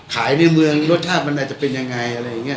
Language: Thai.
ขายในเมืองรสชาติมันอาจจะเป็นยังไง